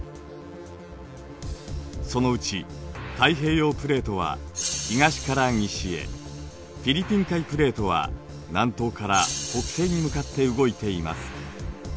そのうち太平洋プレートは東から西へフィリピン海プレートは南東から北西に向かって動いています。